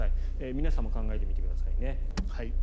皆さんも考えてみてくださいね。